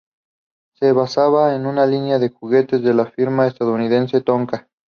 Se basaba en una línea de juguetes de la firma estadounidense Tonka.